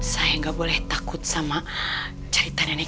saya nggak boleh takut sama cerita nenek